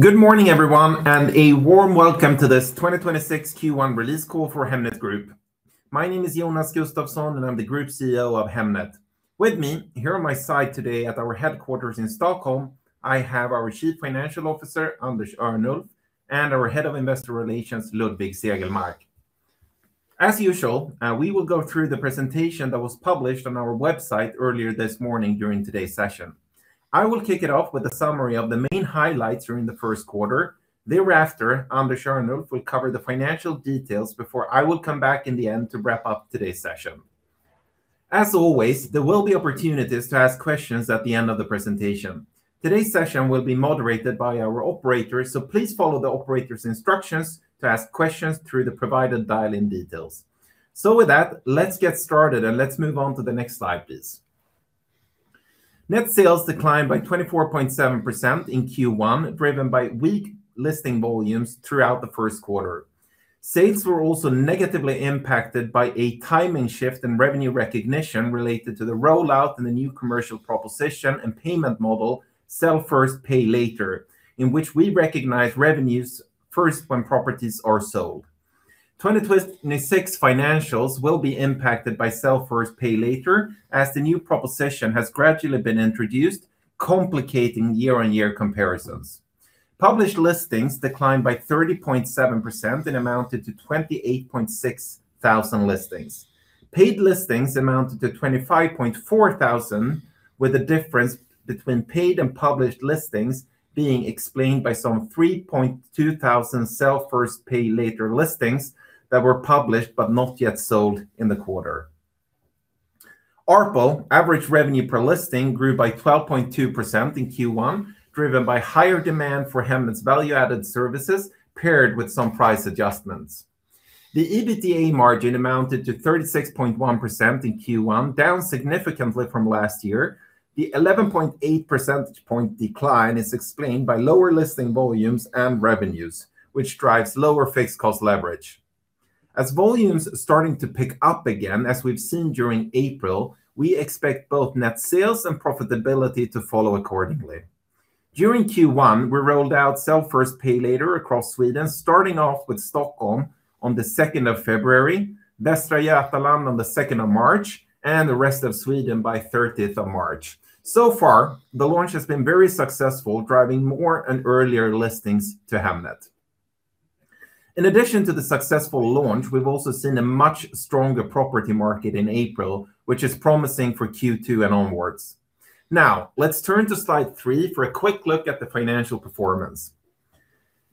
Good morning, everyone, and a warm welcome to this 2026 Q1 release call for Hemnet Group. My name is Jonas Gustafsson, and I'm the Group CEO of Hemnet. With me here on my side today at our headquarters in Stockholm, I have our Chief Financial Officer, Anders Örnulf, and our Head of Investor Relations, Ludvig Segelmark. As usual, we will go through the presentation that was published on our website earlier this morning during today's session. I will kick it off with a summary of the main highlights during the first quarter. Thereafter, Anders Örnulf will cover the financial details before I will come back in the end to wrap up today's session. As always, there will be opportunities to ask questions at the end of the presentation. Today's session will be moderated by our operator, so please follow the operator's instructions to ask questions through the provided dial-in details. With that, let's get started, and let's move on to the next slide, please. Net sales declined by 24.7% in Q1, driven by weak listing volumes throughout the first quarter. Sales were also negatively impacted by a timing shift in revenue recognition related to the rollout of the new commercial proposition and payment model, Sell first, pay later, in which we recognize revenues first when properties are sold. 2026 financials will be impacted by Sell first, pay later, as the new proposition has gradually been introduced, complicating year-on-year comparisons. Published listings declined by 30.7% and amounted to 28,600 listings. Paid listings amounted to 25.4 thousand, with the difference between paid and published listings being explained by some 3.2 thousand Sell first, pay later listings that were published but not yet sold in the quarter. ARPL, Average Revenue Per Listing, grew by 12.2% in Q1, driven by higher demand for Hemnet's value-added services paired with some price adjustments. The EBITDA margin amounted to 36.1% in Q1, down significantly from last year. The 11.8 percentage point decline is explained by lower listing volumes and revenues, which drives lower fixed cost leverage. As volumes starting to pick up again, as we've seen during April, we expect both net sales and profitability to follow accordingly. During Q1, we rolled out Sell first, pay later across Sweden, starting off with Stockholm on the second of February, Västra Götaland on the second of March, and the rest of Sweden by thirtieth of March. So far, the launch has been very successful, driving more and earlier listings to Hemnet. In addition to the successful launch, we've also seen a much stronger property market in April, which is promising for Q2 and onwards. Now, let's turn to slide 3 for a quick look at the financial performance.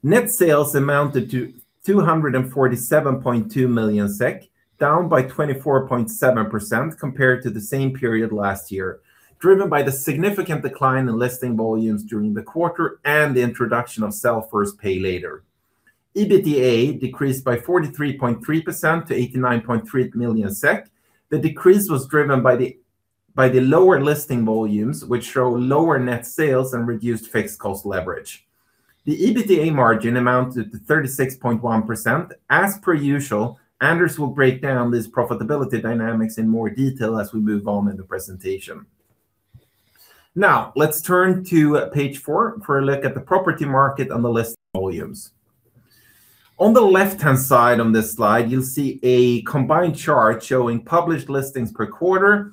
Net sales amounted to 247.2 million SEK, down by 24.7% compared to the same period last year, driven by the significant decline in listing volumes during the quarter and the introduction of Sell first, pay later. EBITDA decreased by 43.3% to 89.3 million SEK. The decrease was driven by the lower listing volumes, which show lower net sales and reduced fixed cost leverage. The EBITDA margin amounted to 36.1%. As per usual, Anders will break down this profitability dynamics in more detail as we move on in the presentation. Now, let's turn to page 4 for a look at the property market and listing volumes. On the left-hand side on this slide, you'll see a combined chart showing published listings per quarter,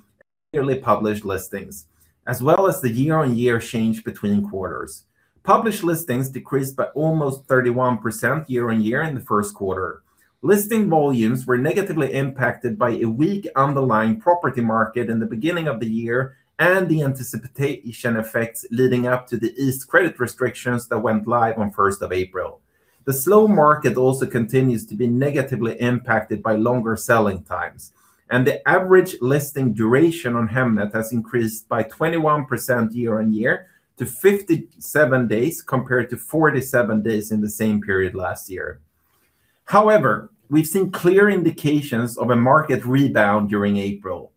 yearly published listings, as well as the year-on-year change between quarters. Published listings decreased by almost 31% year-on-year in the first quarter. Listing volumes were negatively impacted by a weak underlying property market in the beginning of the year and the anticipation effects leading up to the Swedish credit restrictions that went live on April 1. The slow market also continues to be negatively impacted by longer selling times, and the average listing duration on Hemnet has increased by 21% year-on-year to 57 days, compared to 47 days in the same period last year. However, we've seen clear indications of a market rebound during April.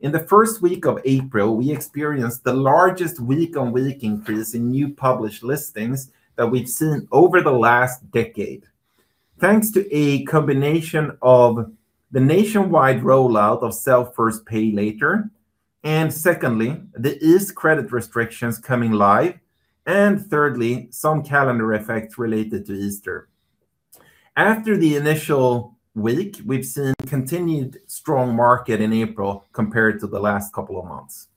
In the first week of April, we experienced the largest week-on-week increase in new published listings that we've seen over the last decade. Thanks to a combination of the nationwide rollout of Sell first, pay later, and secondly, the Swedish credit restrictions coming live, and thirdly, some calendar effects related to Easter. After the initial week, we've seen continued strong market in April compared to the last couple of months.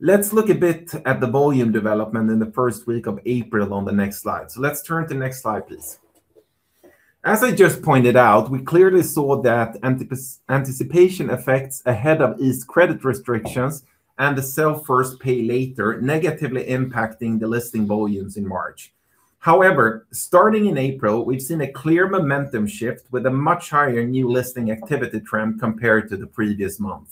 Let's look a bit at the volume development in the first week of April on the next slide. Let's turn to next slide, please. As I just pointed out, we clearly saw that anticipation effects ahead of Swedish credit restrictions and the Sell first, pay later negatively impacting the listing volumes in March. However, starting in April, we've seen a clear momentum shift with a much higher new listing activity trend compared to the previous month.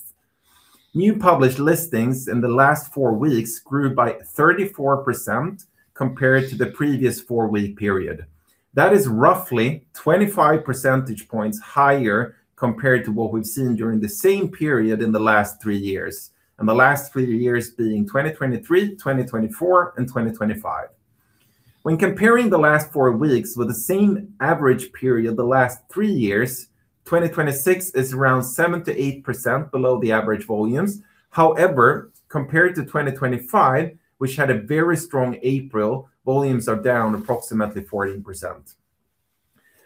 New published listings in the last four weeks grew by 34% compared to the previous four-week period. That is roughly 25 percentage points higher compared to what we've seen during the same period in the last three years, and the last three years being 2023, 2024, and 2025. When comparing the last four weeks with the same average period the last three years 2026 is around 7%-8% below the average volumes. However, compared to 2025, which had a very strong April, volumes are down approximately 14%.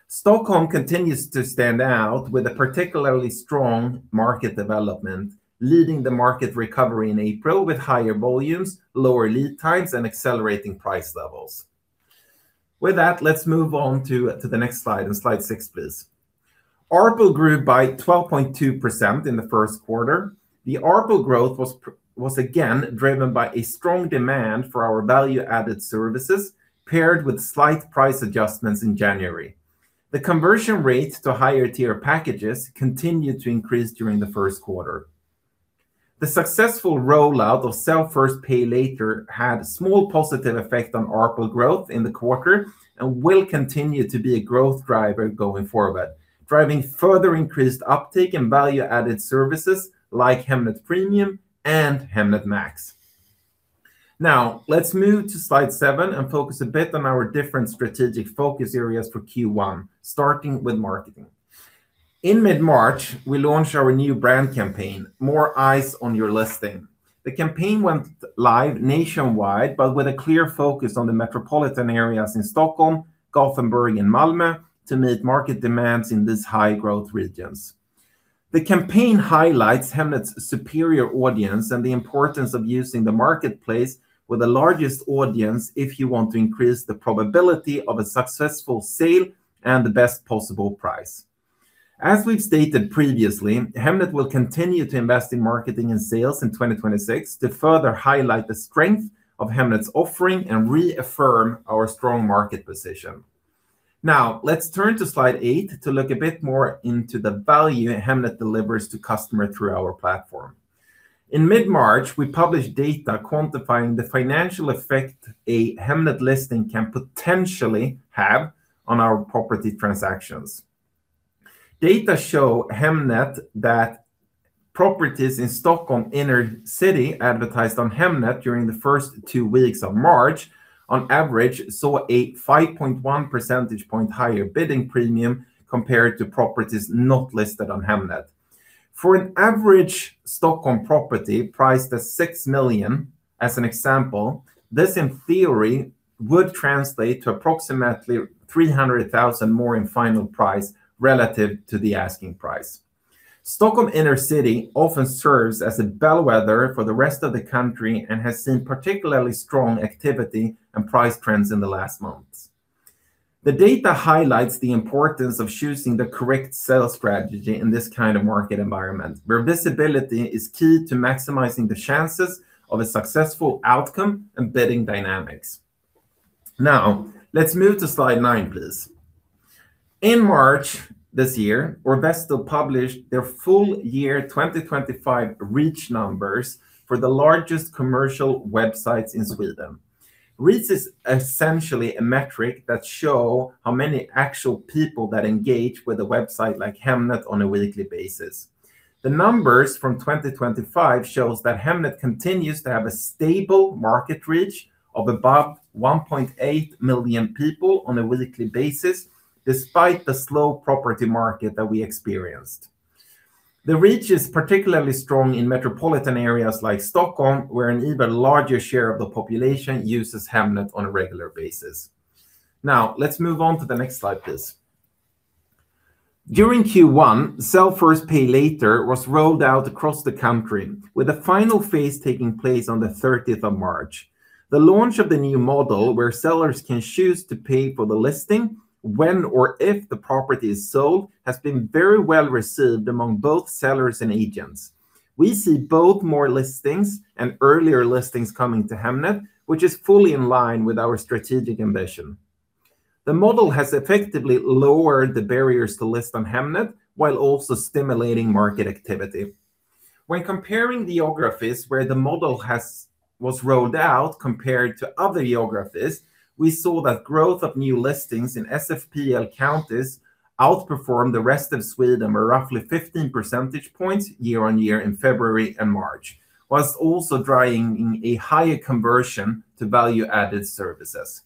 Stockholm continues to stand out with a particularly strong market development, leading the market recovery in April with higher volumes, lower lead times, and accelerating price levels. With that, let's move on to the next slide. Slide six, please. ARPU grew by 12.2% in the first quarter. The ARPU growth was again driven by a strong demand for our value-added services paired with slight price adjustments in January. The conversion rate to higher tier packages continued to increase during the first quarter. The successful rollout of Sell first, pay later had a small positive effect on ARPU growth in the quarter and will continue to be a growth driver going forward, driving further increased uptake and value-added services like Hemnet Premium and Hemnet Max. Now, let's move to slide 7 and focus a bit on our different strategic focus areas for Q1, starting with marketing. In mid-March, we launched our new brand campaign, More Eyes on Your Listing. The campaign went live nationwide, but with a clear focus on the metropolitan areas in Stockholm, Gothenburg, and Malmö to meet market demands in these high-growth regions. The campaign highlights Hemnet's superior audience and the importance of using the marketplace with the largest audience if you want to increase the probability of a successful sale and the best possible price. As we've stated previously, Hemnet will continue to invest in marketing and sales in 2026 to further highlight the strength of Hemnet's offering and reaffirm our strong market position. Now, let's turn to slide 8 to look a bit more into the value Hemnet delivers to customers through our platform. In mid-March, we published data quantifying the financial effect a Hemnet listing can potentially have on our property transactions. Data show that properties in Stockholm inner city advertised on Hemnet during the first two weeks of March, on average, saw a 5.1 percentage point higher bidding premium compared to properties not listed on Hemnet. For an average Stockholm property priced at 6 million, as an example, this in theory would translate to approximately 300,000 more in final price relative to the asking price. Stockholm inner city often serves as a bellwether for the rest of the country and has seen particularly strong activity and price trends in the last months. The data highlights the importance of choosing the correct sales strategy in this kind of market environment, where visibility is key to maximizing the chances of a successful outcome and bidding dynamics. Now, let's move to slide nine, please. In March this year, Orvesto published their full year 2025 reach numbers for the largest commercial websites in Sweden. Reach is essentially a metric that show how many actual people that engage with a website like Hemnet on a weekly basis. The numbers from 2025 shows that Hemnet continues to have a stable market reach of above 1.8 million people on a weekly basis, despite the slow property market that we experienced. The reach is particularly strong in metropolitan areas like Stockholm, where an even larger share of the population uses Hemnet on a regular basis. Now, let's move on to the next slide, please. During Q1, Sell first, pay later was rolled out across the country, with the final phase taking place on the thirtieth of March. The launch of the new model, where sellers can choose to pay for the listing when or if the property is sold, has been very well-received among both sellers and agents. We see both more listings and earlier listings coming to Hemnet, which is fully in line with our strategic ambition. The model has effectively lowered the barriers to list on Hemnet while also stimulating market activity. When comparing the geographies where the model was rolled out compared to other geographies, we saw that growth of new listings in SFPL counties outperformed the rest of Sweden by roughly 15 percentage points year-over-year in February and March, while also driving a higher conversion to value-added services.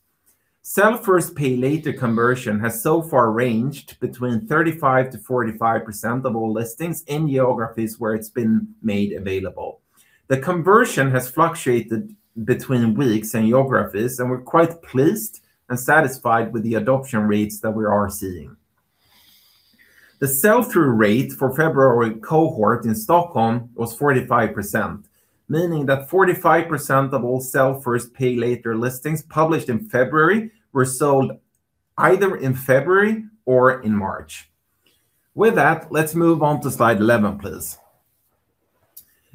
Sell first, pay later conversion has so far ranged between 35%-45% of all listings in geographies where it's been made available. The conversion has fluctuated between weeks and geographies, and we're quite pleased and satisfied with the adoption rates that we are seeing. The sell-through rate for February cohort in Stockholm was 45%, meaning that 45% of all Sell first, pay later listings published in February were sold either in February or in March. With that, let's move on to slide 11, please.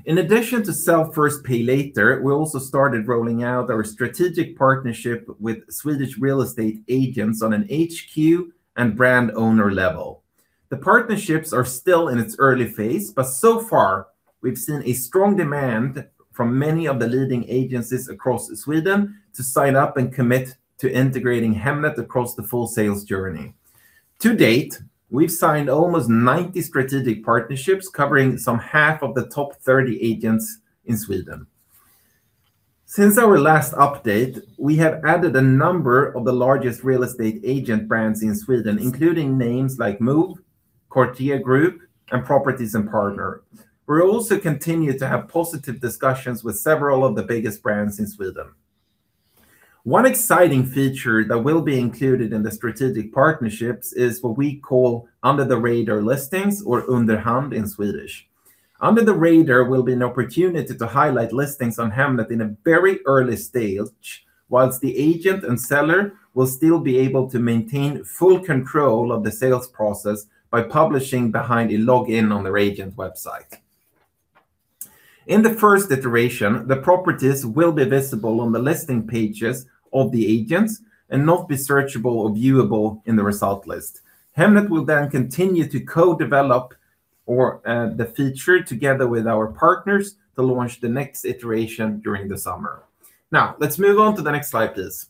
In addition to Sell first, pay later, we also started rolling out our strategic partnership with Swedish real estate agents on an HQ and brand owner level. The partnerships are still in its early phase, but so far we've seen a strong demand from many of the leading agencies across Sweden to sign up and commit to integrating Hemnet across the full sales journey. To date, we've signed almost 90 strategic partnerships covering some half of the top 30 agents in Sweden. Since our last update, we have added a number of the largest real estate agent brands in Sweden, including names like Move, Courtier Group, and Properties & Partners. We also continue to have positive discussions with several of the biggest brands in Sweden. One exciting feature that will be included in the strategic partnerships is what we call under the radar listings or under ham in Swedish. Under the radar will be an opportunity to highlight listings on Hemnet in a very early stage, while the agent and seller will still be able to maintain full control of the sales process by publishing behind a login on their agent website. In the first iteration, the properties will be visible on the listing pages of the agents and not be searchable or viewable in the result list. Hemnet will then continue to co-develop the feature together with our partners to launch the next iteration during the summer. Now, let's move on to the next slide, please.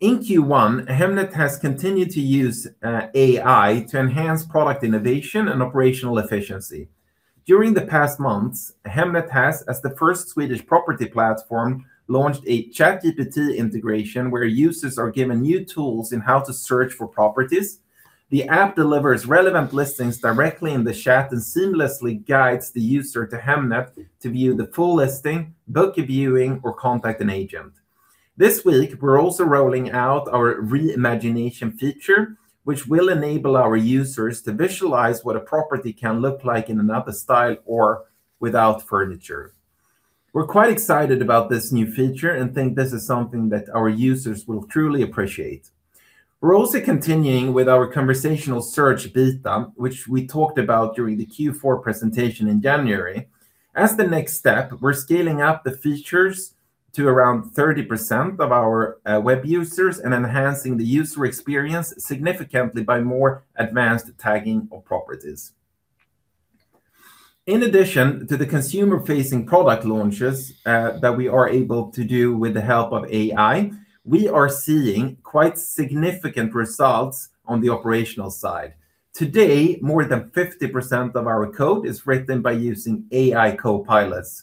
In Q1, Hemnet has continued to use AI to enhance product innovation and operational efficiency. During the past months, Hemnet has, as the first Swedish property platform, launched a ChatGPT integration where users are given new tools in how to search for properties. The app delivers relevant listings directly in the chat and seamlessly guides the user to Hemnet to view the full listing, book a viewing, or contact an agent. This week, we're also rolling out our Re-imagination feature, which will enable our users to visualize what a property can look like in another style or without furniture. We're quite excited about this new feature and think this is something that our users will truly appreciate. We're also continuing with our conversational search beta, which we talked about during the Q4 presentation in January. As the next step, we're scaling up the features to around 30% of our web users and enhancing the user experience significantly by more advanced tagging of properties. In addition to the consumer-facing product launches that we are able to do with the help of AI, we are seeing quite significant results on the operational side. Today, more than 50% of our code is written by using AI copilots.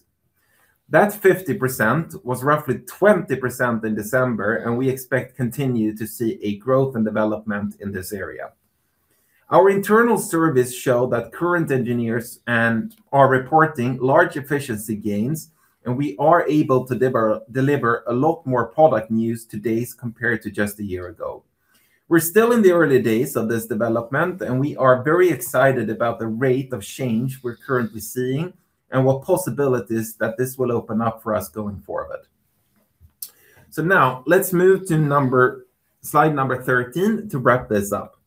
That 50% was roughly 20% in December, and we expect to continue to see a growth and development in this area. Our internal surveys show that our current engineers are reporting large efficiency gains, and we are able to deliver a lot more product news today compared to just a year ago. We're still in the early days of this development, and we are very excited about the rate of change we're currently seeing and what possibilities that this will open up for us going forward. Now let's move to slide number 13 to wrap this up.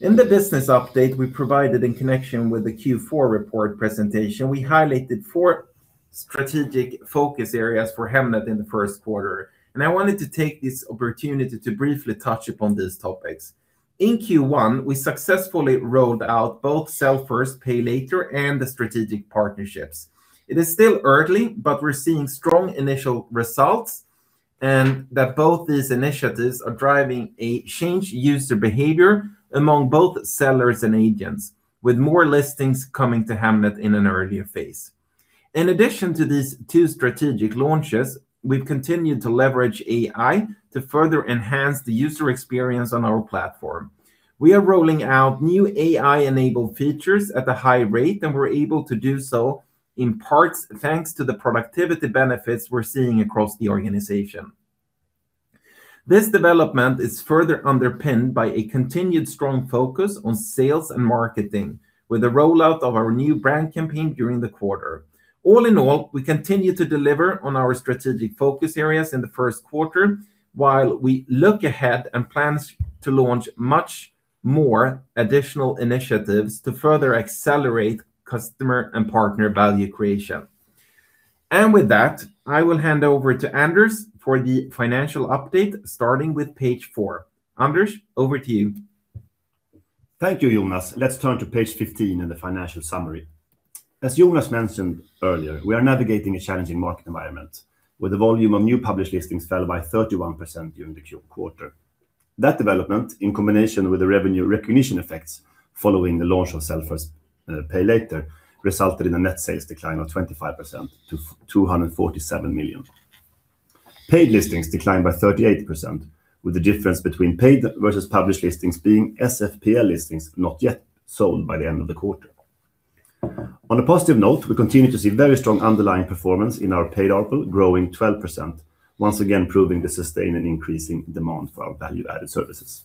In the business update we provided in connection with the Q4 report presentation, we highlighted four strategic focus areas for Hemnet in the first quarter, and I wanted to take this opportunity to briefly touch upon these topics. In Q1, we successfully rolled out both Sell first, pay later and the strategic partnerships. It is still early, but we're seeing strong initial results and that both these initiatives are driving a changed user behavior among both sellers and agents, with more listings coming to Hemnet in an earlier phase. In addition to these two strategic launches, we've continued to leverage AI to further enhance the user experience on our platform. We are rolling out new AI-enabled features at a high rate, and we're able to do so in parts, thanks to the productivity benefits we're seeing across the organization. This development is further underpinned by a continued strong focus on sales and marketing with the rollout of our new brand campaign during the quarter. All in all, we continue to deliver on our strategic focus areas in the first quarter while we look ahead and plan to launch much more additional initiatives to further accelerate customer and partner value creation. With that, I will hand over to Anders for the financial update, starting with page four. Anders, over to you. Thank you, Jonas. Let's turn to page 15 in the financial summary. As Jonas mentioned earlier, we are navigating a challenging market environment with the volume of new published listings fell by 31% during the quarter. That development, in combination with the revenue recognition effects following the launch of Sell first, pay later, resulted in a net sales decline of 25% to 247 million. Paid listings declined by 38%, with the difference between paid versus published listings being SFPL listings not yet sold by the end of the quarter. On a positive note, we continue to see very strong underlying performance in our paid ARPU growing 12%, once again proving the sustained and increasing demand for our value-added services.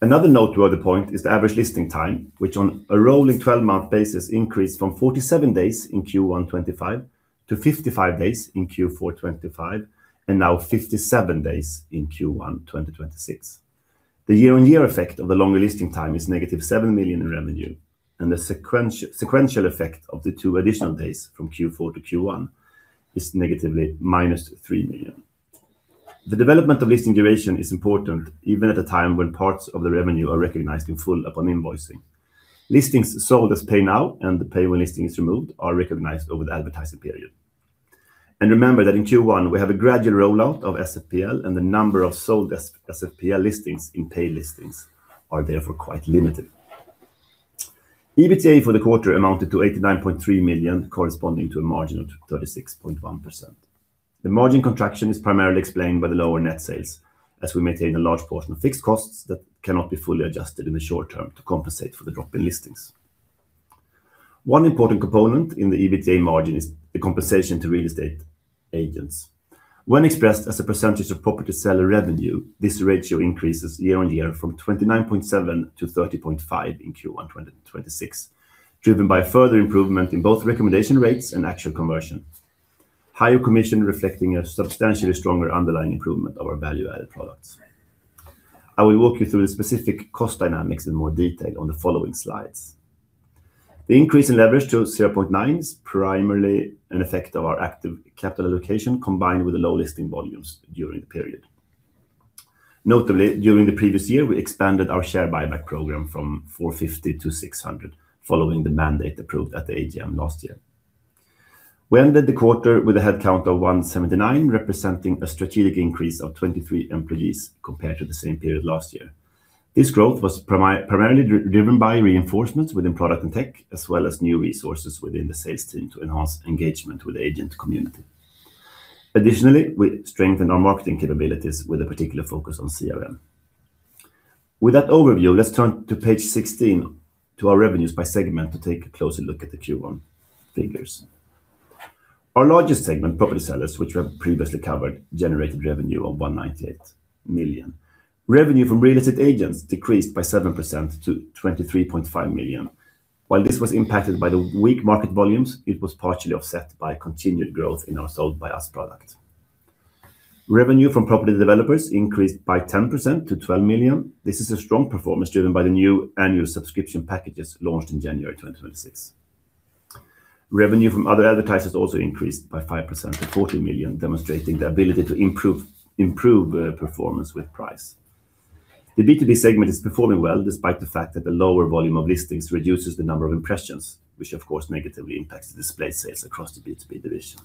Another noteworthy point is the average listing time, which on a rolling twelve-month basis increased from 47 days in Q1 2025 to 55 days in Q4 2025 and now 57 days in Q1 2026. The year-on-year effect of the longer listing time is negative 7 million in revenue, and the sequential effect of the 2 additional days from Q4 to Q1 is negative 3 million. The development of listing duration is important even at a time when parts of the revenue are recognized in full upon invoicing. Listings sold as pay now and the pay when listing is removed are recognized over the advertising period. Remember that in Q1, we have a gradual rollout of SFPL, and the number of sold SFPL listings in paid listings are therefore quite limited. EBITDA for the quarter amounted to 89.3 million, corresponding to a margin of 36.1%. The margin contraction is primarily explained by the lower net sales, as we maintain a large portion of fixed costs that cannot be fully adjusted in the short term to compensate for the drop in listings. One important component in the EBITDA margin is the compensation to real estate agents. When expressed as a percentage of property seller revenue, this ratio increases year on year from 29.7% to 30.5% in Q1 2026, driven by further improvement in both recommendation rates and actual conversion. Higher commission reflecting a substantially stronger underlying improvement of our value-added products. I will walk you through the specific cost dynamics in more detail on the following slides. The increase in leverage to 0.9 is primarily an effect of our active capital allocation combined with the low listing volumes during the period. Notably, during the previous year, we expanded our share buyback program from 450 to 600, following the mandate approved at the AGM last year. We ended the quarter with a headcount of 179, representing a strategic increase of 23 employees compared to the same period last year. This growth was primarily driven by reinforcements within product and tech, as well as new resources within the sales team to enhance engagement with the agent community. Additionally, we strengthened our marketing capabilities with a particular focus on CRM. With that overview, let's turn to page 16 to our revenues by segment to take a closer look at the Q1 figures. Our largest segment, property sellers, which we have previously covered, generated revenue of 198 million. Revenue from real estate agents decreased by 7% to 23.5 million. While this was impacted by the weak market volumes, it was partially offset by continued growth in our Sold by Us product. Revenue from property developers increased by 10% to 12 million. This is a strong performance driven by the new annual subscription packages launched in January 2026. Revenue from other advertisers also increased by 5% to 40 million, demonstrating the ability to improve performance with price. The B2B segment is performing well despite the fact that the lower volume of listings reduces the number of impressions, which of course negatively impacts the display sales across the B2B division.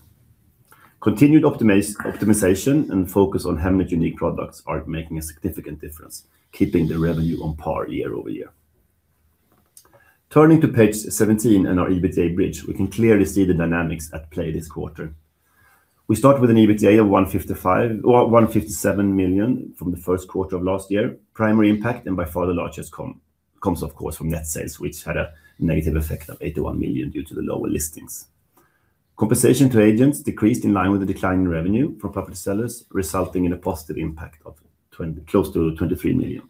Continued optimization and focus on Hemnet Unique products are making a significant difference, keeping the revenue on par year-over-year. Turning to page 17 and our EBITDA bridge, we can clearly see the dynamics at play this quarter. We start with an EBITDA of 155 million or 157 million from the first quarter of last year. Primary impact and by far the largest comes of course from net sales, which had a negative effect of 81 million due to the lower listings. Compensation to agents decreased in line with the decline in revenue from property sellers, resulting in a positive impact of close to 23 million.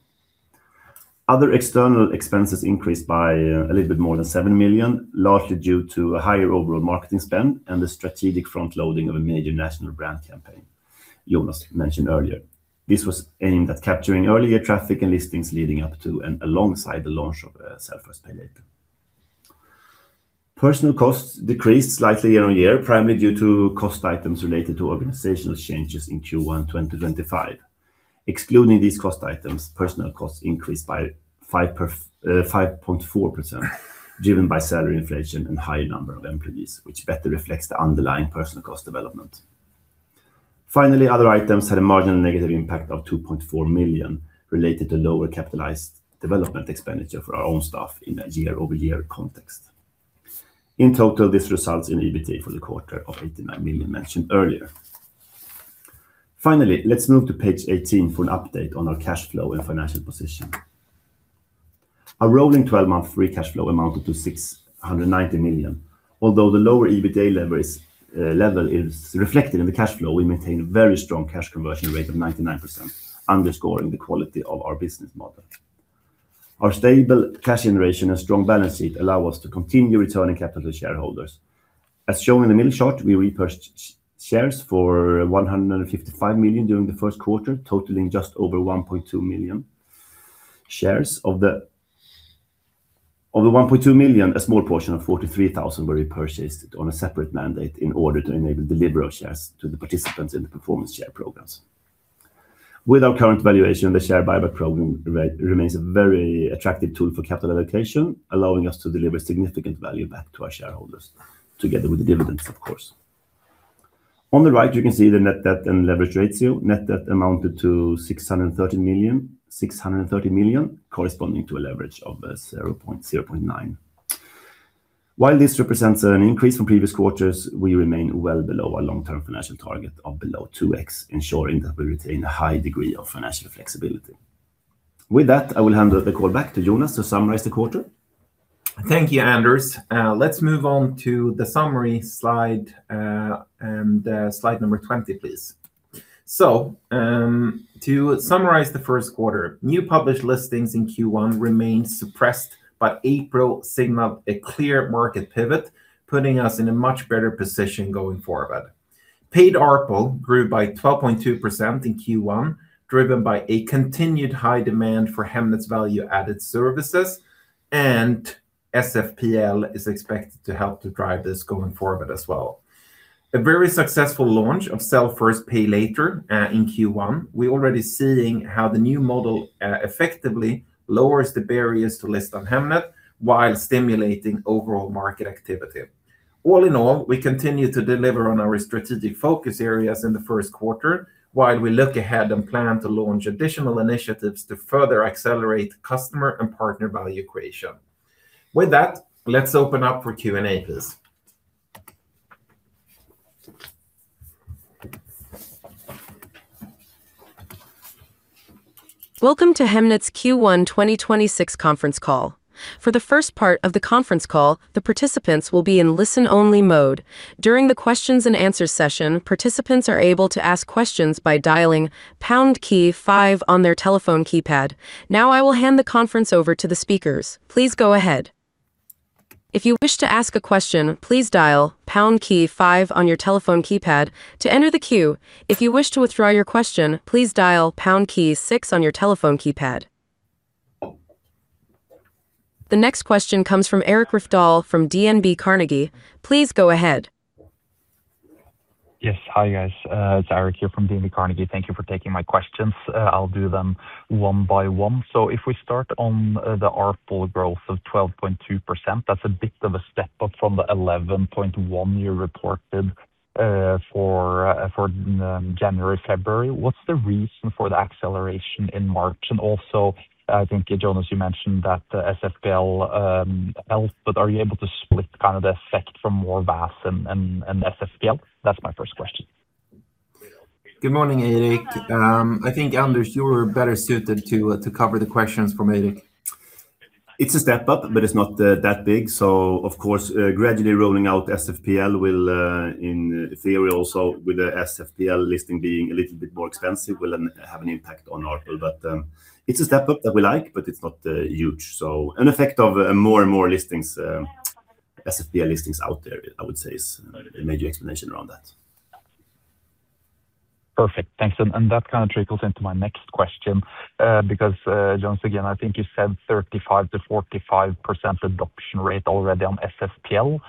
Other external expenses increased by a little bit more than 7 million, largely due to a higher overall marketing spend and the strategic front-loading of a major national brand campaign Jonas mentioned earlier. This was aimed at capturing earlier traffic and listings leading up to and alongside the launch of Sell first, pay later. Personnel costs decreased slightly year-on-year, primarily due to cost items related to organizational changes in Q1 2025. Excluding these cost items, personnel costs increased by 5.4%, driven by salary inflation and higher number of employees, which better reflects the underlying personnel cost development. Finally, other items had a marginal negative impact of 2.4 million related to lower capitalized development expenditure for our own staff in a year-over-year context. In total, this results in EBITDA for the quarter of 89 million mentioned earlier. Finally, let's move to page 18 for an update on our cash flow and financial position. Our rolling 12-month free cash flow amounted to 690 million. Although the lower EBITDA level is reflected in the cash flow, we maintain a very strong cash conversion rate of 99%, underscoring the quality of our business model. Our stable cash generation and strong balance sheet allow us to continue returning capital to shareholders. As shown in the middle chart, we repurchased shares for 155 million during the first quarter, totaling just over 1.2 million shares. Of the 1.2 million, a small portion of 43,000 were repurchased on a separate mandate in order to enable delivery of shares to the participants in the performance share programs. With our current valuation, the share buyback program remains a very attractive tool for capital allocation, allowing us to deliver significant value back to our shareholders together with the dividends, of course. On the right, you can see the net debt and leverage ratio. Net debt amounted to 630 million, corresponding to a leverage of 0.9. While this represents an increase from previous quarters, we remain well below our long-term financial target of below 2x, ensuring that we retain a high degree of financial flexibility. With that, I will hand the call back to Jonas to summarize the quarter. Thank you, Anders. Let's move on to the summary slide, and slide number 20, please. To summarize the first quarter, new published listings in Q1 remained suppressed, but April signaled a clear market pivot, putting us in a much better position going forward. Paid ARPL grew by 12.2% in Q1, driven by a continued high demand for Hemnet's value-added services, and SFPL is expected to help to drive this going forward as well. A very successful launch of Sell first, pay later in Q1. We're already seeing how the new model effectively lowers the barriers to list on Hemnet while stimulating overall market activity. All in all, we continue to deliver on our strategic focus areas in the first quarter, while we look ahead and plan to launch additional initiatives to further accelerate customer and partner value creation. With that, let's open up for Q&A, please. Welcome to Hemnet's Q1 2026 conference call. For the first part of the conference call, the participants will be in listen-only mode. During the questions and answers session, participants are able to ask questions by dialing pound key five on their telephone keypad. Now I will hand the conference over to the speakers. Please go ahead. If you wish to ask a question, please dial pound key five on your telephone keypad to enter the queue. If you wish to withdraw your question, please dial pound key 6 on your telephone keypad. The next question comes from Eirik Rafdal from DNB Carnegie. Please go ahead. Yes. Hi, guys. It's Eirik here from DNB Carnegie. Thank you for taking my questions. I'll do them one by one. If we start on the ARPL growth of 12.2%, that's a bit of a step up from the 11.1 you reported for January, February. What's the reason for the acceleration in March? And also, I think, Jonas, you mentioned that SFPL helped, but are you able to split kind of the effect from more VAS and SFPL? That's my first question. Good morning, Eirik. I think, Anders, you're better suited to cover the questions from Eirik. It's a step up, but it's not that big. Of course, gradually rolling out SFPL will, in theory, also with the SFPL listing being a little bit more expensive, will have an impact on ARPL. It's a step up that we like, but it's not huge. An effect of more and more listings, SFPL listings out there, I would say is a major explanation around that. Perfect. Thanks. That kind of trickles into my next question. Because, Jonas, again, I think you said 35%-45% adoption rate already on SFPL.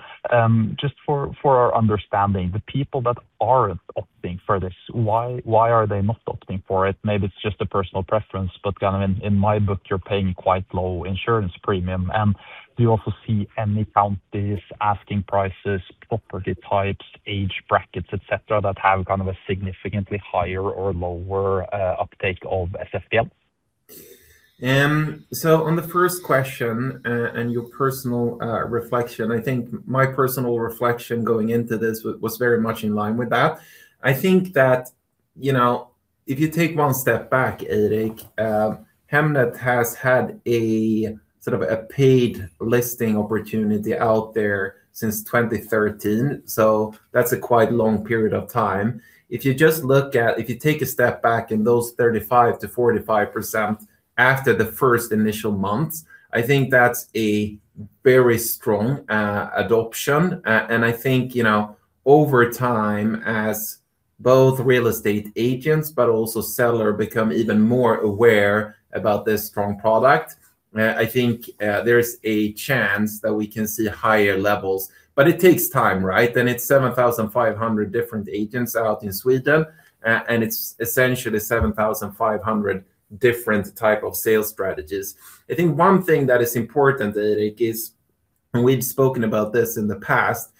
Just for our understanding, the people that aren't opting for this, why are they not opting for it? Maybe it's just a personal preference, but kind of in my book, you're paying quite low insurance premium. Do you also see any counties, asking prices, property types, age brackets, et cetera, that have kind of a significantly higher or lower uptake of SFPL? On the first question and your personal reflection, I think my personal reflection going into this was very much in line with that. I think that, you know, if you take one step back, Eirik, Hemnet has had a sort of a paid listing opportunity out there since 2013, so that's a quite long period of time. If you take a step back in those 35%-45% after the first initial months, I think that's a very strong adoption. I think, you know, over time, as both real estate agents but also seller become even more aware about this strong product, I think there's a chance that we can see higher levels. It takes time, right? It's 7,500 different agents out in Sweden, and it's essentially 7,500 different type of sales strategies. I think one thing that is important, Eirik, is and we've spoken about this in the past,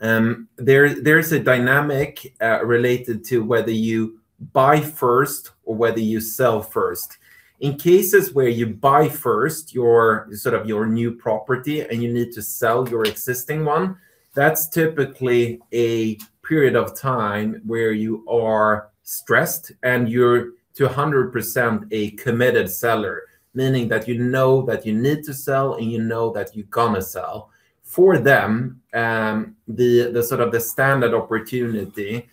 there is a dynamic related to whether you buy first or whether you sell first. In cases where you buy first, your sort of new property, and you need to sell your existing one, that's typically a period of time where you are stressed, and you're 200% a committed seller, meaning that you know that you need to sell, and you know that you're gonna sell. For them, the sort of standard opportunity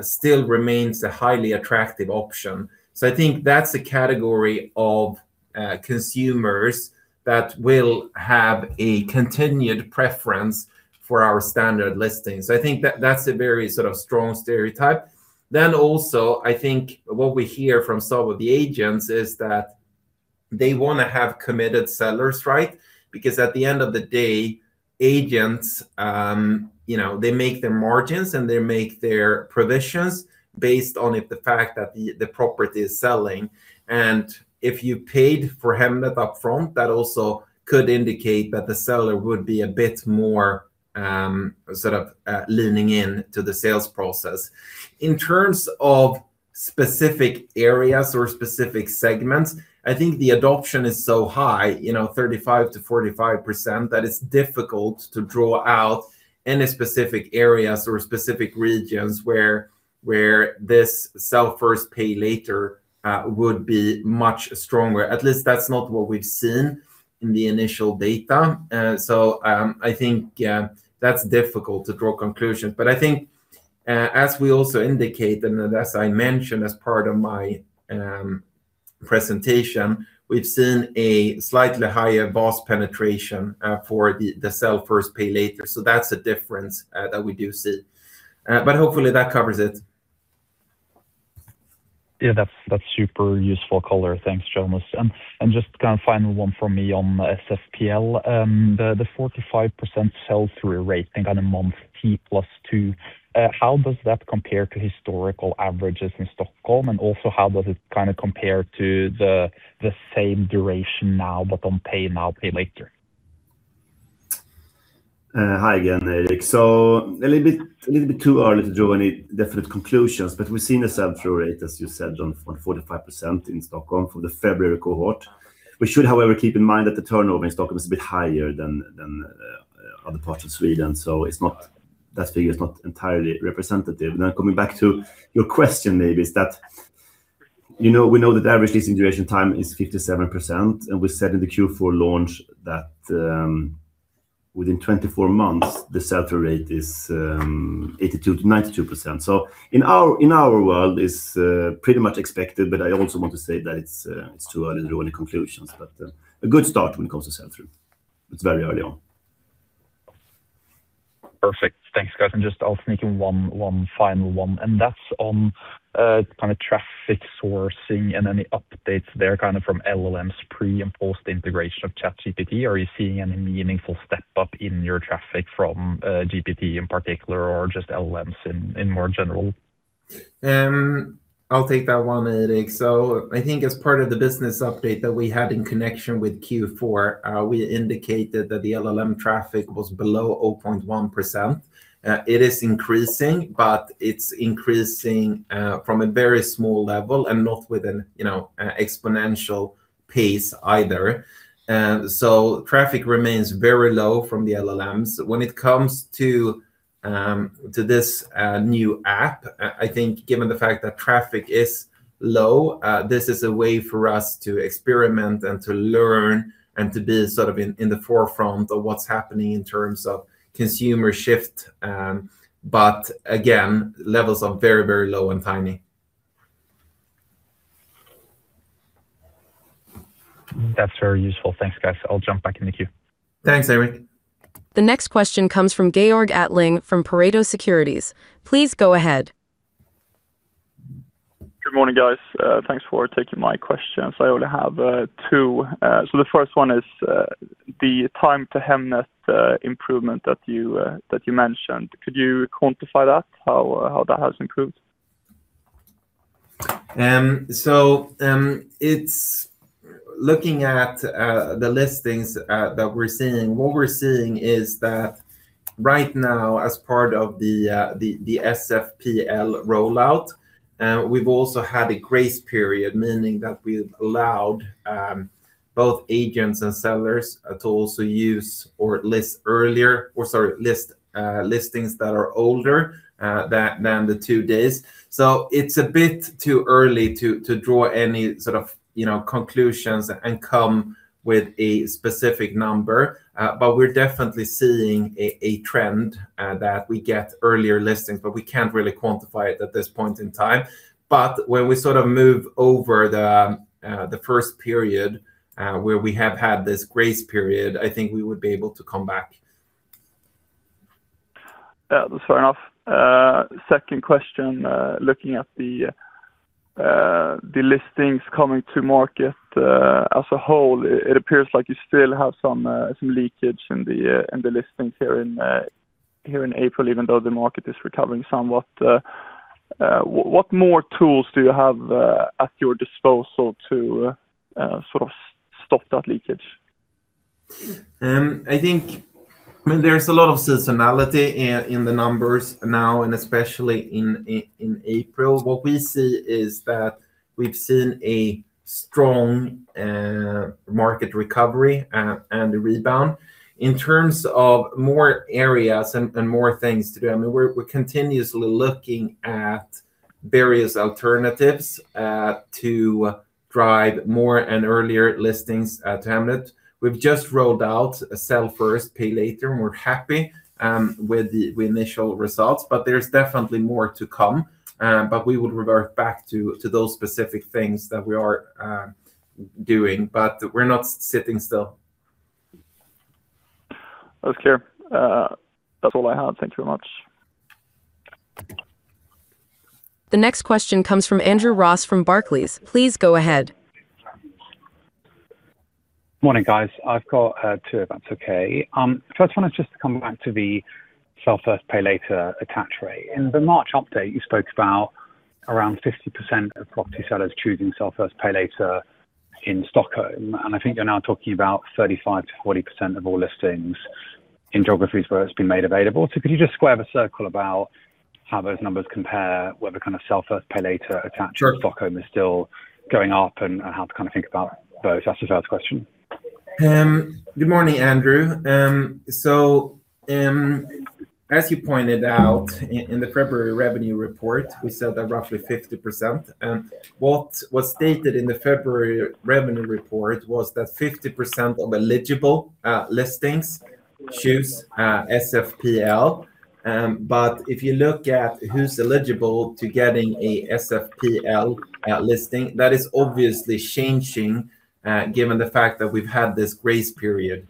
still remains a highly attractive option. I think that's a category of consumers that will have a continued preference for our standard listings. I think that's a very sort of strong stereotype. Also, I think what we hear from some of the agents is that they wanna have committed sellers, right? Because at the end of the day, agents, you know, they make their margins, and they make their provisions based on it, the fact that the property is selling. And if you paid for Hemnet up front, that also could indicate that the seller would be a bit more, sort of, leaning in to the sales process. In terms of specific areas or specific segments, I think the adoption is so high, you know, 35%-45%, that it's difficult to draw out any specific areas or specific regions where this Sell first, pay later would be much stronger. At least that's not what we've seen in the initial data. I think that's difficult to draw conclusions. I think as we also indicate, and as I mentioned as part of my presentation, we've seen a slightly higher VAS penetration for the Sell first, pay later. That's a difference that we do see. Hopefully that covers it. Yeah. That's super useful color. Thanks, Jonas. Just kind of final one for me on SFPL. The 45% sell-through rate, I think on a month T+2, how does that compare to historical averages in Stockholm? Also, how does it kinda compare to the same duration now, but on pay now, pay later? Hi again, Eirik. A little bit too early to draw any definite conclusions, but we've seen the sell-through rate, as you said, on 45% in Stockholm for the February cohort. We should, however, keep in mind that the turnover in Stockholm is a bit higher than other parts of Sweden, so it's not that figure is not entirely representative. Coming back to your question, maybe you know we know the average leasing duration time is 57%, and we said in the Q4 launch that within 24 months the sell-through rate is 82%-92%. In our world it's pretty much expected, but I also want to say that it's too early to draw any conclusions. A good start when it comes to sell-through. It's very early on. Perfect. Thanks, guys. Just I'll sneak in one final one, and that's on kind of traffic sourcing and any updates there kind of from LLMs pre and post the integration of ChatGPT. Are you seeing any meaningful step up in your traffic from GPT in particular or just LLMs in more general? I'll take that one, Eirik. I think as part of the business update that we had in connection with Q4, we indicated that the LLM traffic was below 0.1%. It is increasing, but it's increasing from a very small level and not with an, you know, an exponential pace either. Traffic remains very low from the LLMs. When it comes to this new app, I think given the fact that traffic is low, this is a way for us to experiment and to learn and to be sort of in the forefront of what's happening in terms of consumer shift. Again, levels are very, very low and tiny. That's very useful. Thanks, guys. I'll jump back in the queue. Thanks, Eirik. The next question comes from Georg Attling from Pareto Securities. Please go ahead. Good morning, guys. Thanks for taking my questions. I only have two. The first one is the time to Hemnet improvement that you mentioned. Could you quantify that, how that has improved? Looking at the listings that we're seeing, what we're seeing is that right now as part of the SFPL rollout, we've also had a grace period, meaning that we've allowed both agents and sellers to list listings that are older than the two days. It's a bit too early to draw any sort of, you know, conclusions and come with a specific number. We're definitely seeing a trend that we get earlier listings, but we can't really quantify it at this point in time. When we sort of move over the first period where we have had this grace period, I think we would be able to come back. Yeah, that's fair enough. Second question, looking at the listings coming to market as a whole, it appears like you still have some leakage in the listings here in April, even though the market is recovering somewhat. What more tools do you have at your disposal to sort of stop that leakage? I think, I mean, there's a lot of seasonality in the numbers now, and especially in April. What we see is that we've seen a strong market recovery and a rebound. In terms of more areas and more things to do, I mean, we're continuously looking at various alternatives to drive more and earlier listings to Hemnet. We've just rolled out a Sell first, pay later, and we're happy with the initial results, but there's definitely more to come. We will revert back to those specific things that we are doing. We're not sitting still. Okay. That's all I have. Thanks very much. The next question comes from Andrew Ross from Barclays. Please go ahead. Morning, guys. I've got two if that's okay. First one is just to come back to the Sell first, pay later attach rate. In the March update, you spoke about around 50% of property sellers choosing Sell first, pay later in Stockholm, and I think you're now talking about 35%-40% of all listings in geographies where it's been made available. Could you just square the circle about how those numbers compare, whether kind of Sell first, pay later attach- Sure ...in Stockholm is still going up and how to kind of think about both? That's the first question. Good morning, Andrew. As you pointed out in the February revenue report, we said that roughly 50%. What was stated in the February revenue report was that 50% of eligible listings choose SFPL. If you look at who's eligible to getting a SFPL listing, that is obviously changing given the fact that we've had this grace period.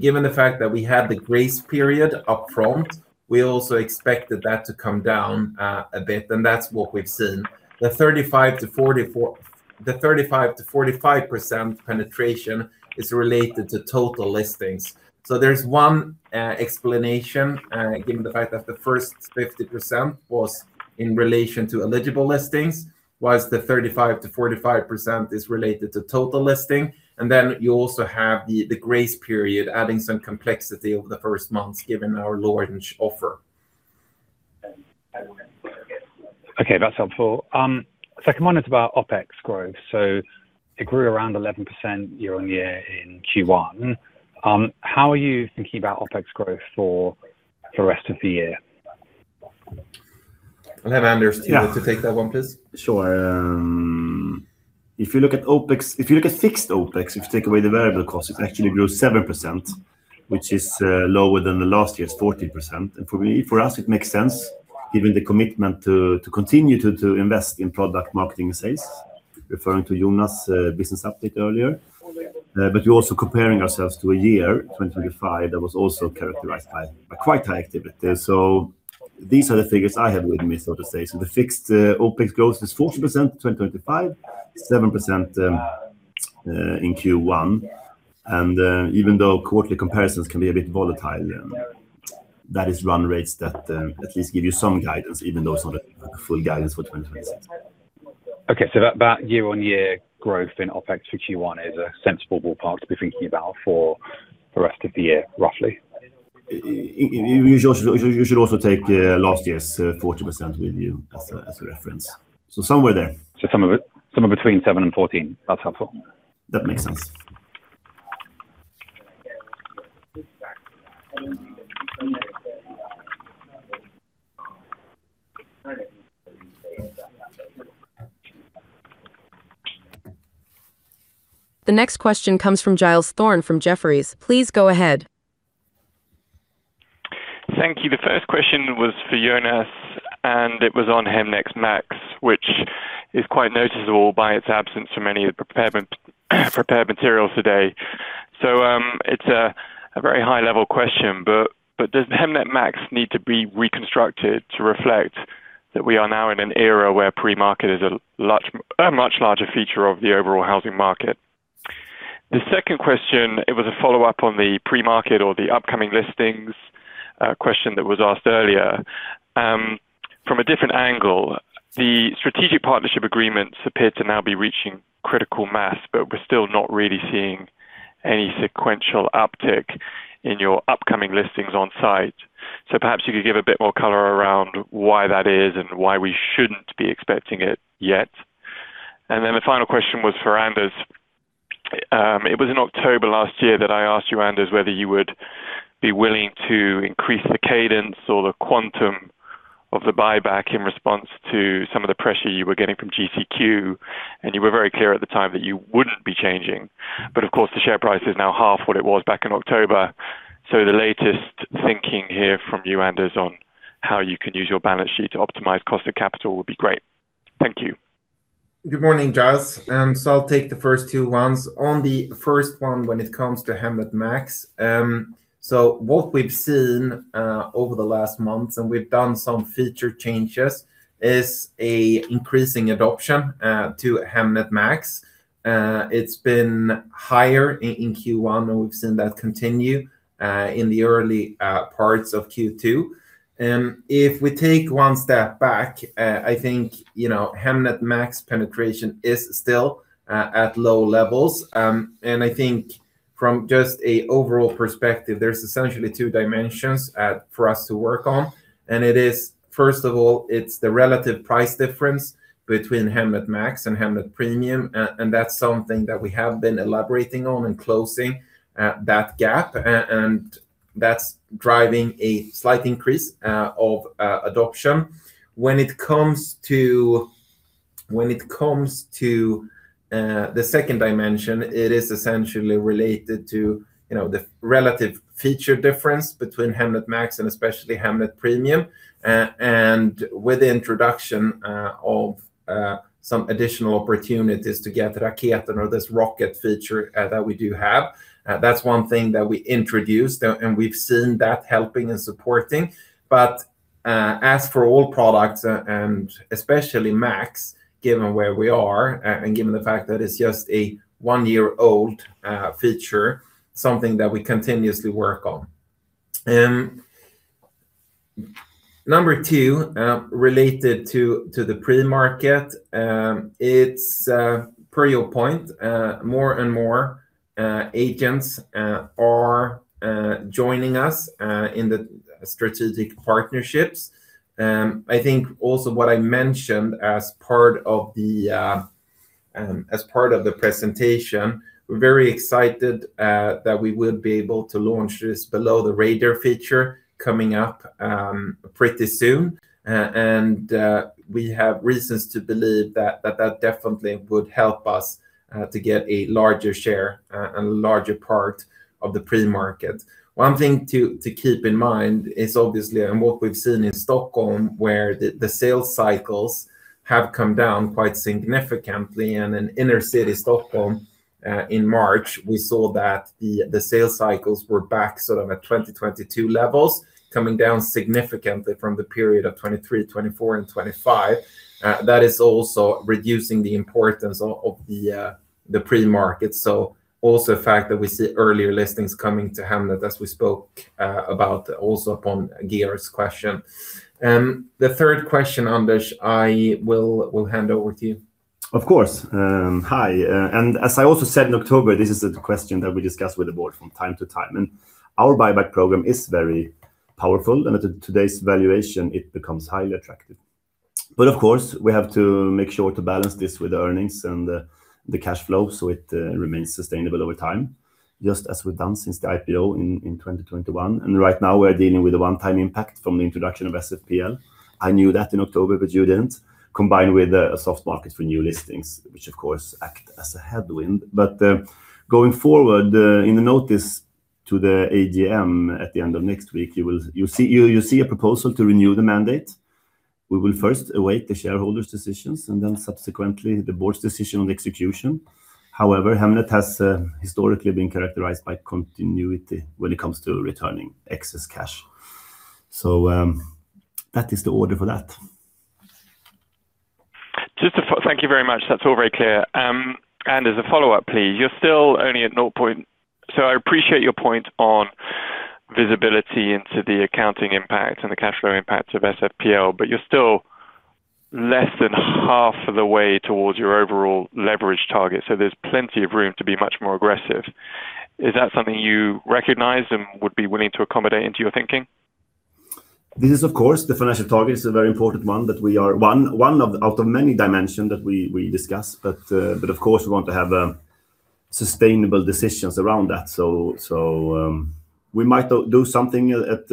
Given the fact that we had the grace period up front, we also expected that to come down a bit, and that's what we've seen. The 35%-45% penetration is related to total listings. There's one explanation given the fact that the first 50% was in relation to eligible listings. Whereas the 35%-45% is related to total listing, and then you also have the grace period adding some complexity over the first months given our launch offer. Okay, that's helpful. Second one is about OpEx growth. It grew around 11% year-on-year in Q1. How are you thinking about OpEx growth for the rest of the year? I'll have Anders. Yeah. To take that one, please. Sure. If you look at fixed OpEx, if you take away the variable costs, it actually grew 7%, which is lower than last year's 14%. For us, it makes sense given the commitment to continue to invest in product marketing and sales, referring to Jonas' business update earlier. You're also comparing ourselves to a year, 2025, that was also characterized by a quite high activity. These are the figures I have with me, so to say. The fixed OpEx growth is 14% to 2025, 7% in Q1. Even though quarterly comparisons can be a bit volatile, that is run rates that at least give you some guidance, even though it's not a full guidance for 2026. Okay. That year-on-year growth in OpEx for Q1 is a sensible ballpark to be thinking about for the rest of the year, roughly? You should also take last year's 14% with you as a reference. Somewhere there. Somewhere between 7 and 14. That's helpful. That makes sense. The next question comes from Giles Thorne from Jefferies. Please go ahead. Thank you. The first question was for Jonas, and it was on Hemnet Max, which is quite noticeable by its absence from any of the prepared materials today. It's a very high-level question, but does Hemnet Max need to be reconstructed to reflect that we are now in an era where pre-market is a much larger feature of the overall housing market? The second question was a follow-up on the pre-market or the upcoming listings question that was asked earlier from a different angle. The strategic partnership agreements appear to now be reaching critical mass, but we're still not really seeing any sequential uptick in your upcoming listings on site. Perhaps you could give a bit more color around why that is and why we shouldn't be expecting it yet. Then the final question was for Anders. It was in October last year that I asked you, Anders, whether you would be willing to increase the cadence or the quantum of the buyback in response to some of the pressure you were getting from GCQ, and you were very clear at the time that you wouldn't be changing. Of course, the share price is now half what it was back in October. The latest thinking here from you, Anders, on how you can use your balance sheet to optimize cost of capital would be great. Thank you. Good morning, Giles. I'll take the first two ones. On the first one, when it comes to Hemnet Max, what we've seen over the last months, and we've done some feature changes, is an increasing adoption to Hemnet Max. It's been higher in Q1, and we've seen that continue in the early parts of Q2. If we take one step back, I think, you know, Hemnet Max penetration is still at low levels. I think from just an overall perspective, there's essentially two dimensions for us to work on. It is, first of all, it's the relative price difference between Hemnet Max and Hemnet Premium, and that's something that we have been elaborating on and closing that gap, and that's driving a slight increase of adoption. When it comes to the second dimension, it is essentially related to, you know, the relative feature difference between Hemnet Max and especially Hemnet Premium. With the introduction of some additional opportunities to get Raketen or this rocket feature that we do have, that's one thing that we introduced, and we've seen that helping and supporting. As for all products, and especially Max, given where we are and given the fact that it's just a one-year-old feature, something that we continuously work on. Number two, related to the pre-market, it's per your point, more and more agents are joining us in the strategic partnerships. I think also what I mentioned as part of the presentation, we're very excited that we will be able to launch this under-the-radar feature coming up pretty soon. We have reasons to believe that that definitely would help us to get a larger share and larger part of the pre-market. One thing to keep in mind is obviously on what we've seen in Stockholm, where the sales cycles have come down quite significantly. In inner city Stockholm, in March, we saw that the sales cycles were back sort of at 2022 levels, coming down significantly from the period of 2023, 2024, and 2025. That is also reducing the importance of the pre-market. Also the fact that we see earlier listings coming to Hemnet, as we spoke about also upon Giles' question. The third question, Anders, I will hand over to you. Of course. As I also said in October, this is a question that we discuss with the board from time to time, and our buyback program is very powerful, and at today's valuation, it becomes highly attractive. Of course, we have to make sure to balance this with earnings and the cash flow so it remains sustainable over time, just as we've done since the IPO in 2021. Right now we're dealing with a one-time impact from the introduction of SFPL. I knew that in October, but you didn't, combined with a soft market for new listings, which of course act as a headwind. Going forward, in the notice to the AGM at the end of next week, you'll see a proposal to renew the mandate. We will first await the shareholders' decisions and then subsequently the board's decision on execution. However, Hemnet has historically been characterized by continuity when it comes to returning excess cash. That is the order for that. Thank you very much. That's all very clear. As a follow-up, please, you're still only at zero. I appreciate your point on visibility into the accounting impact and the cash flow impact of SFPL, but you're still less than half the way towards your overall leverage target, so there's plenty of room to be much more aggressive. Is that something you recognize and would be willing to accommodate into your thinking? This is, of course, the financial target is a very important one out of many dimensions that we discuss. Of course, we want to have sustainable decisions around that. We might do something as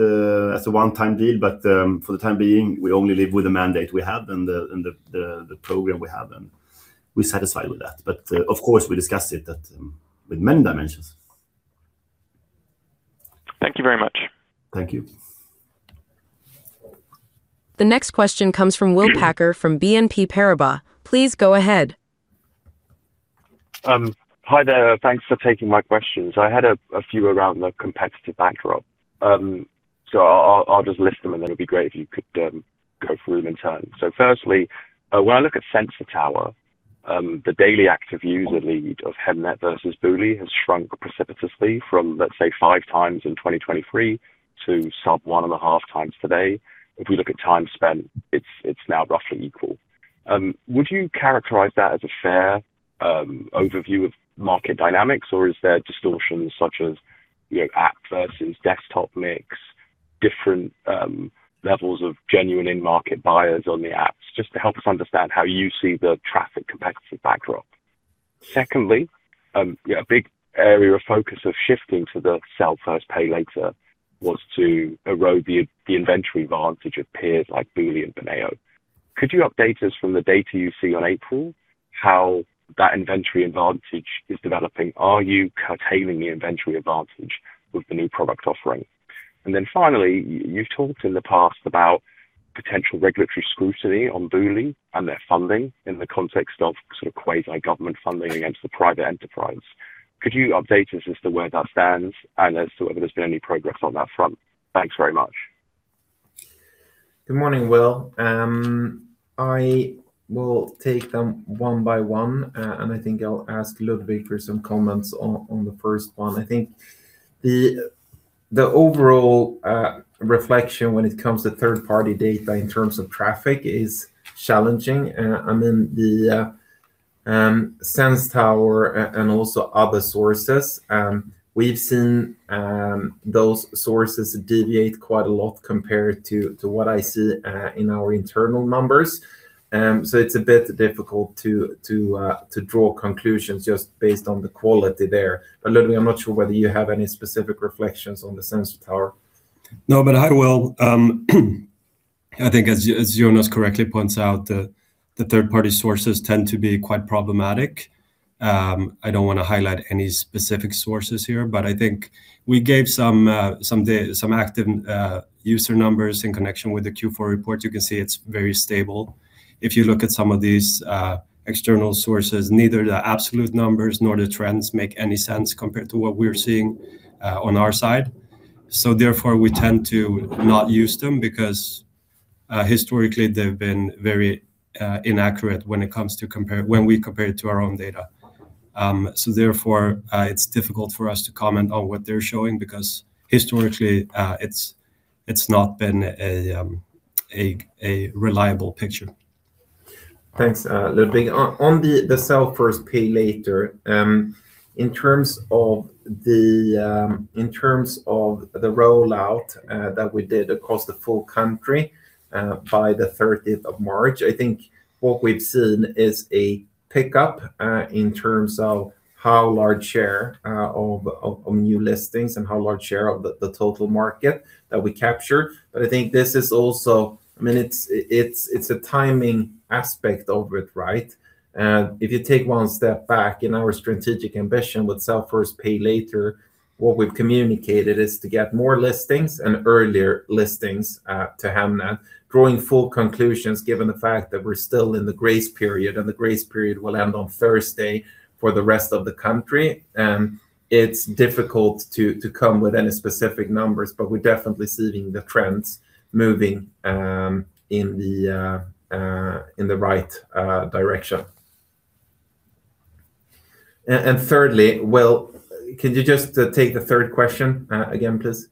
a one-time deal, but for the time being, we only live with the mandate we have and the program we have, and we're satisfied with that. Of course, we discussed it with many dimensions. Thank you very much. Thank you. The next question comes from William Packer from BNP Paribas. Please go ahead. Hi there. Thanks for taking my questions. I had a few around the competitive backdrop. I'll just list them, and then it'd be great if you could go through them in turn. Firstly, when I look at Sensor Tower, the daily active user lead of Hemnet versus Booli has shrunk precipitously from, let's say, 5x in 2023 to sub 1.5x today. If we look at time spent, it's now roughly equal. Would you characterize that as a fair overview of market dynamics, or is there distortions such as, you know, app versus desktop mix, different levels of genuine in-market buyers on the apps? Just to help us understand how you see the traffic competitive backdrop. Secondly, you know, a big area of focus of shifting to the Sell first, pay later was to erode the inventory advantage of peers like [Booli and Bonava]. Could you update us from the data you see in April how that inventory advantage is developing? Are you curtailing the inventory advantage with the new product offering? Then finally, you've talked in the past about potential regulatory scrutiny on Booli and their funding in the context of sort of quasi-government funding against the private enterprise. Could you update us as to where that stands and as to whether there's been any progress on that front? Thanks very much. Good morning, Will. I will take them one by one, and I think I'll ask Ludvig for some comments on the first one. I think the overall reflection when it comes to third-party data in terms of traffic is challenging. I mean, the Sensor Tower and also other sources, we've seen those sources deviate quite a lot compared to what I see in our internal numbers. So it's a bit difficult to draw conclusions just based on the quality there. Ludvig, I'm not sure whether you have any specific reflections on the Sensor Tower. No, but hi, Will. I think as you, as Jonas correctly points out, the third-party sources tend to be quite problematic. I don't wanna highlight any specific sources here, but I think we gave some active user numbers in connection with the Q4 report. You can see it's very stable. If you look at some of these external sources, neither the absolute numbers nor the trends make any sense compared to what we're seeing on our side. Therefore, we tend to not use them because historically, they've been very inaccurate when we compare it to our own data. Therefore, it's difficult for us to comment on what they're showing because historically, it's not been a reliable picture. Thanks, Ludvig. On the Sell first, pay later, in terms of the rollout that we did across the full country by the 13th of March, I think what we've seen is a pickup in terms of how large share of new listings and how large share of the total market that we captured. I think this is also, I mean, it's a timing aspect of it, right? If you take one step back in our strategic ambition with Sell first, pay later, what we've communicated is to get more listings and earlier listings to Hemnet. Drawing full conclusions, given the fact that we're still in the grace period, and the grace period will end on Thursday for the rest of the country, it's difficult to come with any specific numbers, but we're definitely seeing the trends moving in the right direction. Thirdly, Will, could you just take the third question again, please?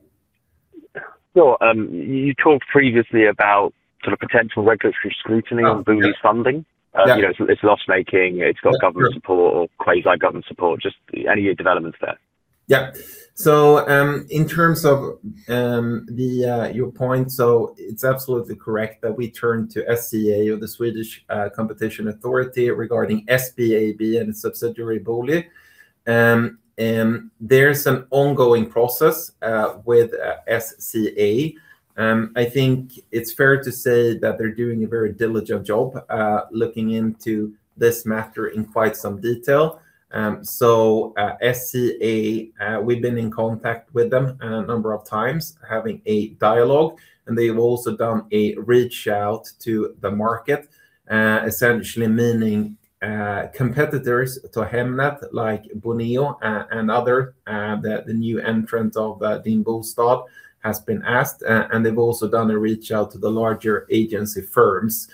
Sure. You talked previously about sort of potential regulatory scrutiny- Oh, sure. on Booli's funding. Yeah. You know, it's loss-making, it's got government support or quasi-government support. Just any developments there? In terms of your point, it's absolutely correct that we turn to SCA, or the Swedish Competition Authority, regarding SBAB and its subsidiary, Booli. There's some ongoing process with SCA. I think it's fair to say that they're doing a very diligent job looking into this matter in quite some detail. SCA, we've been in contact with them a number of times, having a dialogue, and they've also done a reach-out to the market, essentially meaning competitors to Hemnet, like Bonnier and other, the new entrant of Dimbo [Statt] has been asked. They've also done a reach-out to the larger agency firms.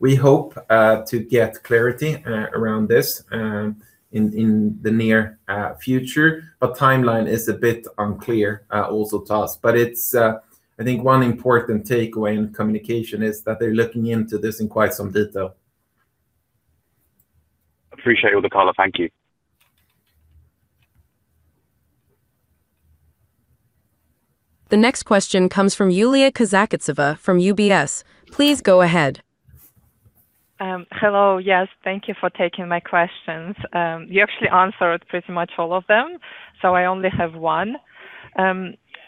We hope to get clarity around this in the near future. Timeline is a bit unclear, also to us. It's, I think one important takeaway in communication is that they're looking into this in quite some detail. Appreciate all the color. Thank you. The next question comes from Yuliya Kryzhanovska from UBS. Please go ahead. Hello. Yes, thank you for taking my questions. You actually answered pretty much all of them, so I only have one.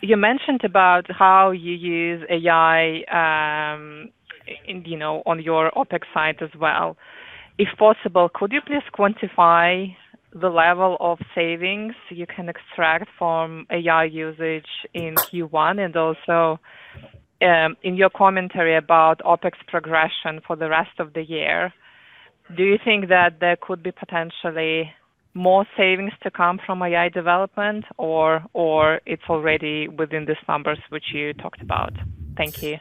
You mentioned about how you use AI, in, you know, on your OpEx side as well. If possible, could you please quantify the level of savings you can extract from AI usage in Q1? And also, in your commentary about OpEx progression for the rest of the year, do you think that there could be potentially more savings to come from AI development or it's already within these numbers which you talked about? Thank you.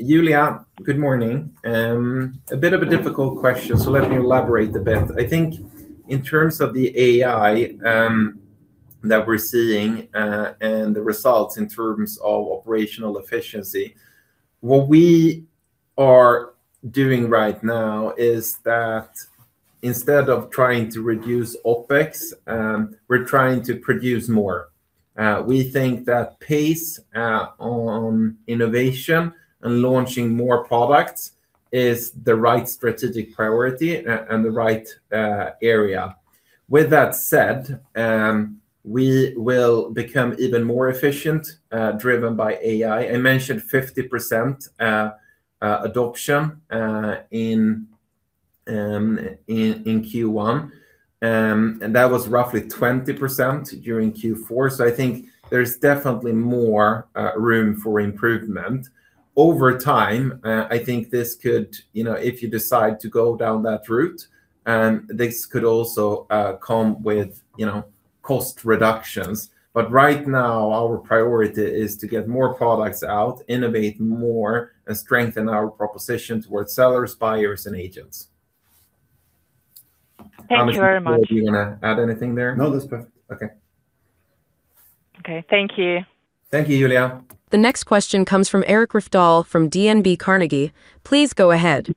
Yuliya, good morning. A bit of a difficult question, so let me elaborate a bit. I think in terms of the AI that we're seeing and the results in terms of operational efficiency, what we are doing right now is that instead of trying to reduce OpEx, we're trying to produce more. We think that pace on innovation and launching more products is the right strategic priority and the right area. With that said, we will become even more efficient driven by AI. I mentioned 50% adoption in Q1. And that was roughly 20% during Q4. I think there's definitely more room for improvement. Over time, I think this could, you know, if you decide to go down that route, this could also come with, you know, cost reductions. But right now, our priority is to get more products out, innovate more, and strengthen our proposition toward sellers, buyers, and agents. Thank you very much. Thomas, do you wanna add anything there? No, that's perfect. Okay. Okay. Thank you. Thank you, Yuliya. The next question comes from Eirik Rafdal from DNB Carnegie. Please go ahead.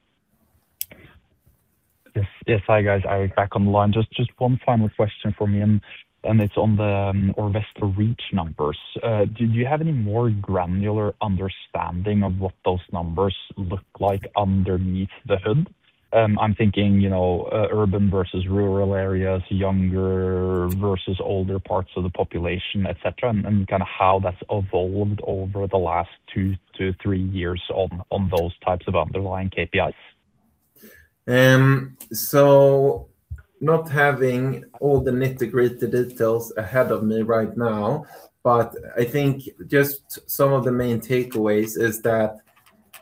Yes. Yes, hi, guys. Eirik back on the line. Just one final question from me and it's on the Orvesto reach numbers. Do you have any more granular understanding of what those numbers look like underneath the hood? I'm thinking, you know, urban versus rural areas, younger versus older parts of the population, et cetera, and kind of how that's evolved over the last two to three years on those types of underlying KPIs. Not having all the nitty-gritty details ahead of me right now, but I think just some of the main takeaways is that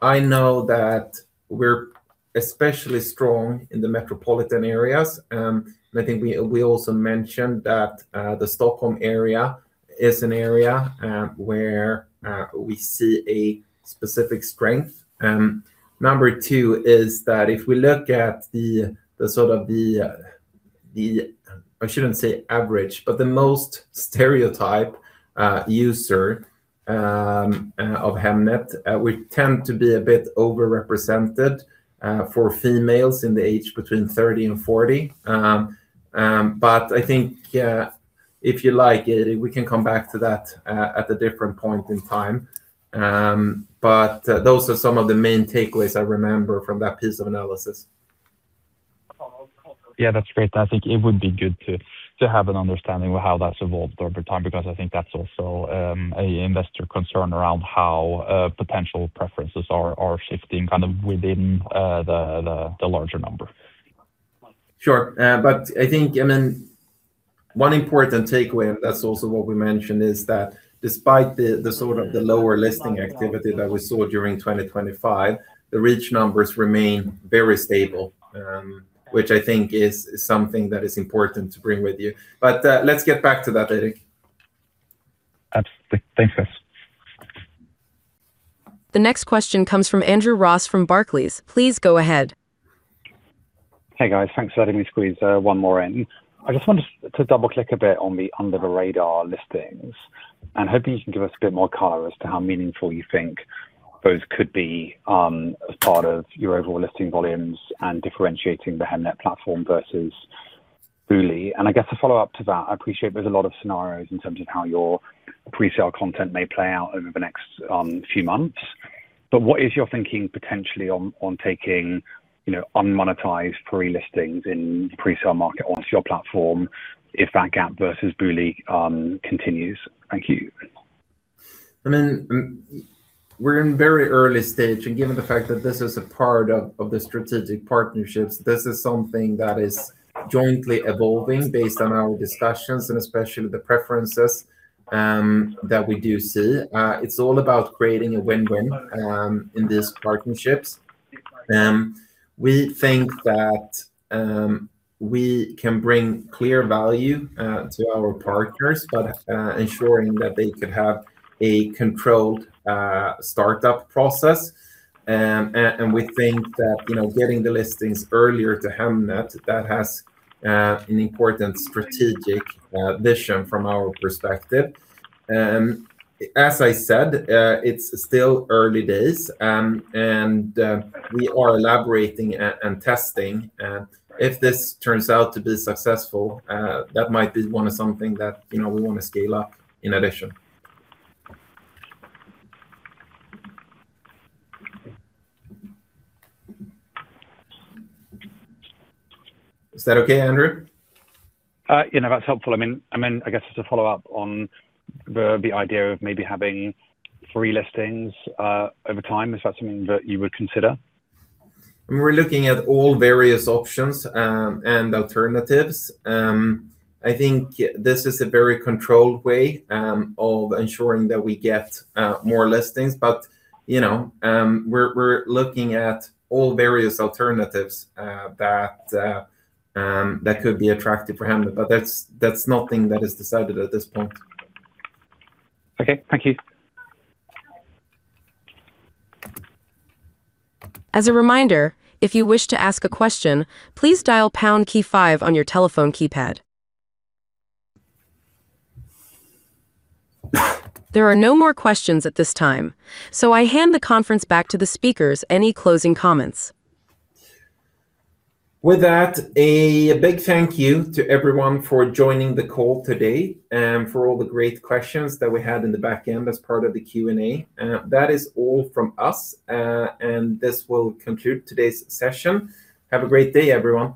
I know that we're especially strong in the metropolitan areas. I think we also mentioned that the Stockholm area is an area where we see a specific strength. 2 is that if we look at the sort of the I shouldn't say average, but the most stereotyped user of Hemnet, we tend to be a bit overrepresented for females in the age between 30 and 40. I think if you like, Eirik, we can come back to that at a different point in time. Those are some of the main takeaways I remember from that piece of analysis. Yeah, that's great. I think it would be good to have an understanding of how that's evolved over time, because I think that's also a investor concern around how potential preferences are shifting kind of within the larger number. Sure. I think, I mean, one important takeaway, that's also what we mentioned, is that despite the sort of lower listing activity that we saw during 2025, the reach numbers remain very stable, which I think is something that is important to bring with you. Let's get back to that, Eirik. Absolutely. Thanks, guys. The next question comes from Andrew Ross from Barclays. Please go ahead. Hey, guys. Thanks for letting me squeeze one more in. I just wanted to double-click a bit on the under-the-radar listings, and hoping you can give us a bit more color as to how meaningful you think those could be, as part of your overall listing volumes and differentiating the Hemnet platform versus Booli. I guess a follow-up to that, I appreciate there's a lot of scenarios in terms of how your pre-sale content may play out over the next few months, but what is your thinking potentially on taking, you know, unmonetized free listings in pre-sale market onto your platform if that gap versus Booli continues? Thank you. I mean, we're in very early stage, and given the fact that this is a part of the strategic partnerships, this is something that is jointly evolving based on our discussions and especially the preferences that we see. It's all about creating a win-win in these partnerships. We think that we can bring clear value to our partners by ensuring that they could have a controlled startup process. We think that, you know, getting the listings earlier to Hemnet has an important strategic vision from our perspective. As I said, it's still early days, and we are elaborating and testing, and if this turns out to be successful, that might be one of something that, you know, we wanna scale up in addition. Is that okay, Andrew? You know, that's helpful. I mean, I guess just to follow up on the idea of maybe having free listings over time, is that something that you would consider? We're looking at all various options and alternatives. I think this is a very controlled way of ensuring that we get more listings. You know, we're looking at all various alternatives that could be attractive for Hemnet, but that's nothing that is decided at this point. Okay. Thank you. As a reminder, if you wish to ask a question, please dial pound key five on your telephone keypad. There are no more questions at this time, so I hand the conference back to the speakers. Any closing comments? With that, a big thank you to everyone for joining the call today and for all the great questions that we had in the back end as part of the Q&A. That is all from us, and this will conclude today's session. Have a great day, everyone.